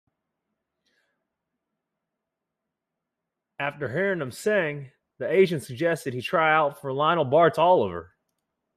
After hearing him sing, the agent suggested he try out for Lionel Bart's Oliver!